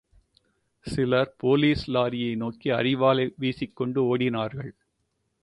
சிலர் போலீஸ் லாரியை நோக்கி அரிவாளை வீசிக்கொண்டு ஓடினார்கள்.